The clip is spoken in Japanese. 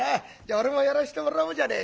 俺もやらしてもらおうじゃねえか。